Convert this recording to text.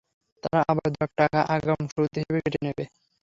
তারা আবার দু লাখ টাকা আগাম সুদ হিসেবে কেটে নেবে।